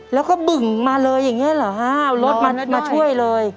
แล้วก็บึ่งมาเลยอย่างนี้เหรอฮะเอารถมาช่วยเลย